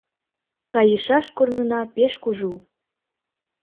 Кайышаш корнына пеш кужу -